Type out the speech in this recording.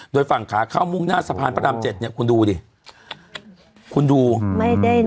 โดยฝั่งขาเข้ามุ่งหน้าสะพานพระรามเจ็ดเนี่ยคุณดูดิคุณดูไม่ได้